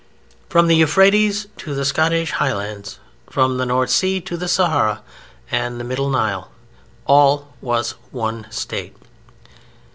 From the Euphrates to the Scottish Highlands, from the North Sea to the Sahara and the Middle Nile, all was one State.